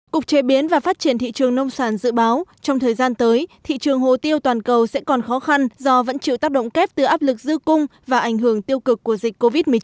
cục chế biến và phát triển thị trường nông sản dự báo trong thời gian tới thị trường hồ tiêu toàn cầu sẽ còn khó khăn do vẫn chịu tác động kép từ áp lực dư cung và ảnh hưởng tiêu cực của dịch covid một mươi chín